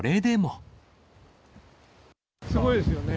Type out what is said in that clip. すごいですよね。